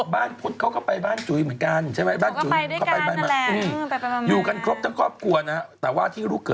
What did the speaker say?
ว่าถ้าเกิดพ่อแม่ถามโบ๊ะค์เป็นการแสดง